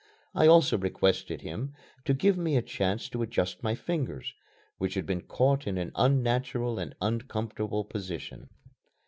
I also requested him to give me a chance to adjust my fingers, which had been caught in an unnatural and uncomfortable position.